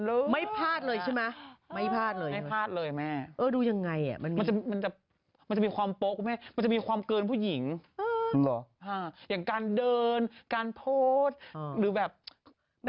กลับไปที่แองจี้บอกว่าดาราเคยกินเปิดประเด็นใหม่มา